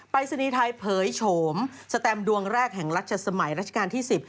รายศนีย์ไทยเผยโฉมสแตมดวงแรกแห่งรัชสมัยรัชกาลที่๑๐